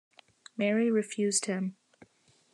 Mary refused him.